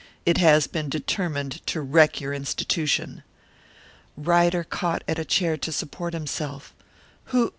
"It has been determined to wreck your institution!" Ryder caught at a chair to support himself. "Who?